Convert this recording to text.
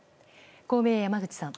公明、山口さん。